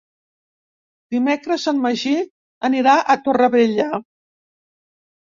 Dimecres en Magí anirà a Torrevella.